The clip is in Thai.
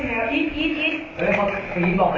จริงแล้วก็ทุกอย่าง